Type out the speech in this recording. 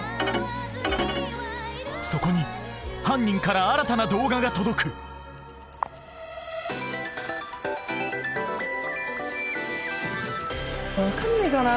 そこに犯人から新たな動画が届く分かんねえかな